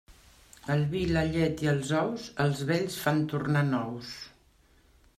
El vi, la llet i els ous els vells fan tornar nous.